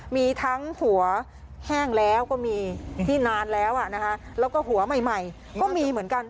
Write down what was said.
มีทั้งหัวแห้งแล้วก็มีที่นานแล้วแล้วก็หัวใหม่ก็มีเหมือนกัน